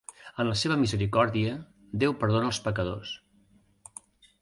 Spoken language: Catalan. En la seva misericòrdia, Déu perdona els pecadors.